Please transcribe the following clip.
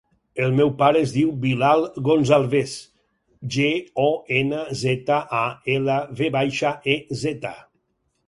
El meu pare es diu Bilal Gonzalvez: ge, o, ena, zeta, a, ela, ve baixa, e, zeta.